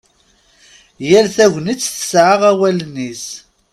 Yal tagnit tesɛa awalen-is.